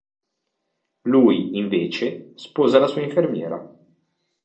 Lui, invece, sposa la sua infermiera.